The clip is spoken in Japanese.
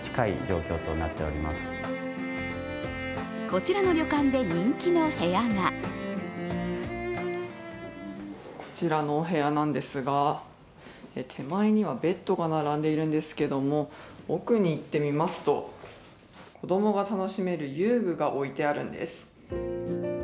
こちらの旅館で人気の部屋がこちらのお部屋なんですが手前にはベッドが並んでいるんですけれども奥に行ってみますと、子供が楽しめる遊具が置いてあるんです。